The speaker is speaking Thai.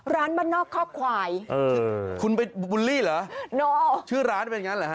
ร้านบ้านนอกคอกควายเออคุณไปบูลลี่เหรอชื่อร้านเป็นอย่างนั้นเหรอฮ